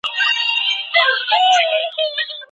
د ده د چا نوم پر ځيگر دی، زما زړه پر لمبو